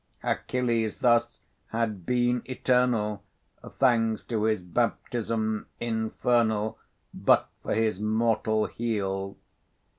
Achilles thus had been eternal, Thanks to his baptism infernal, But for his mortal heel.